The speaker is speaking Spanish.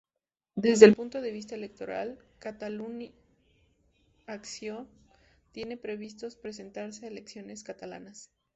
Desde el punto de vista electoral, "Catalunya Acció" tiene previsto presentarse a elecciones catalanas.